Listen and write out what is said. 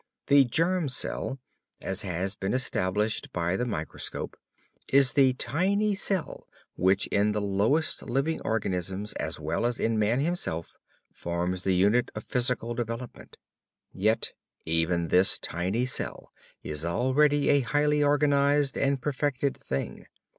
The germ cell as has been established by the microscope is the tiny cell which in the lowest living organisms as well as in man himself, forms the unit of physical development. Yet even this tiny cell is already a highly organized and perfected thing.